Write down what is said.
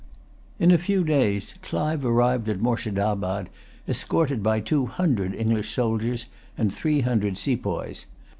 In a few days Clive arrived at Moorshedabad, escorted by two hundred English soldiers and three hundred sepoys.